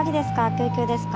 救急ですか？